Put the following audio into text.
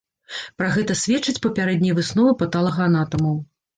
Пра гэта сведчаць папярэднія высновы патолагаанатамаў.